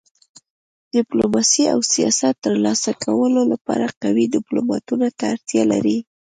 ډيپلوماسي د سیاست د تر لاسه کولو لپاره قوي ډيپلوماتانو ته اړتیا لري.